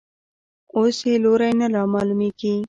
اوس یې لوری نه رامعلومېږي.